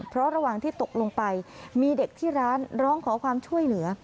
เพราะระหว่างที่ตกลงไปมีเด็กที่ร้านร้องขอความช่วยเหลือ